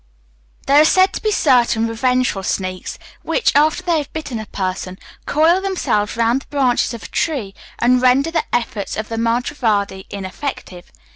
There are said to be certain revengeful snakes, which, after they have bitten a person, coil themselves round the branches of a tree, and render the efforts of the mantravadi ineffective.